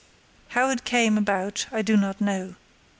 How it came about I do not know.